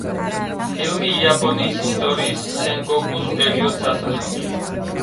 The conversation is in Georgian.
ფილმი იაპონიის ისტორიის სენგოკუს პერიოდს ასახავს.